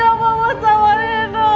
apa yang terjadi sama nino